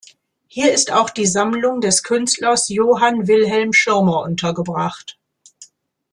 Hier ist auch die Sammlung des Künstlers Johann Wilhelm Schirmer untergebracht.